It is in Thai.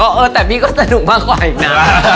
เออแต่พี่ก็สนุกมากกว่าอีกนะ